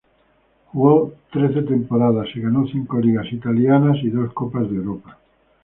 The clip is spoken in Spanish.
Jugó trece temporadas y ganó cinco ligas italianas y dos Copas de Europa.